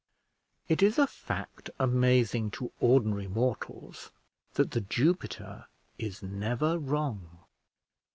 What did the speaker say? It is a fact amazing to ordinary mortals that The Jupiter is never wrong.